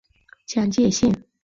江界线